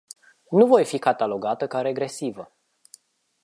Nu voi fi catalogată ca regresivă.